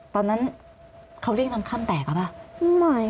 ตอนนั้นเขาเรียกน้ำค่ำแตกอ่ะป่ะ